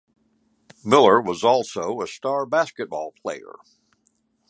Miller was also a star baseball player.